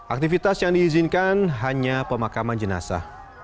aktivitas yang diizinkan hanya pemakaman jenazah